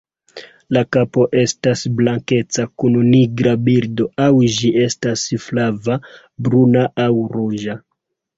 La kapo estas blankeca kun nigra bildo, aŭ ĝi estas flava, bruna aŭ ruĝa.